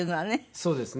そうですね。